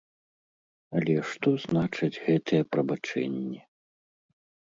Але што значаць гэтыя прабачэнні?